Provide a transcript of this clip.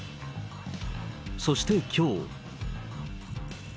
そしてきょう。